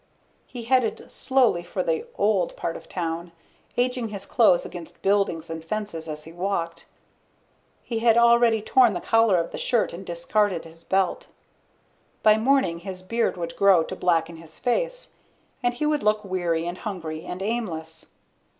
He headed slowly for the "old" part of town, aging his clothes against buildings and fences as he walked. He had already torn the collar of the shirt and discarded his belt. By morning his beard would grow to blacken his face. And he would look weary and hungry and aimless.